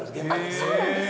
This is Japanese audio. そうなんですか。